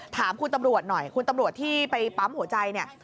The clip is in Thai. ถามคุณตำรวจหน่อยคุณตำรวจที่ไปปั๊มหัวใจเนี่ย